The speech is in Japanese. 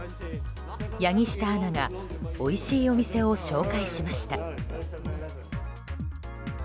柳下アナがおいしいお店を紹介しました。